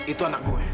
itu anak gue